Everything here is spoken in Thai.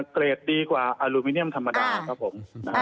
เกรดดีกว่าอลูมิเนียมธรรมดาครับผม